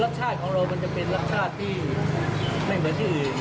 ชาติของเรามันจะเป็นรสชาติที่ไม่เหมือนที่อื่น